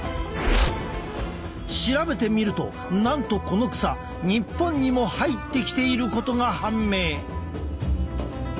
調べてみるとなんとこの草日本にも入ってきていることが判明！